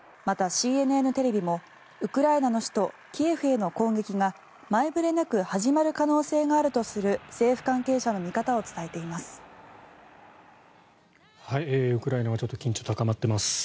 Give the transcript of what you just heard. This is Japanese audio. また、ＣＮＮテレビもウクライナの首都キエフへの攻撃が前触れなく始まる可能性があるとする政府関係者の見方を伝えています。